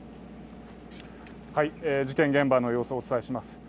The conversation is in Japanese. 事件現場の様子をお伝えします。